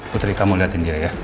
putri kamu lihatin dia ya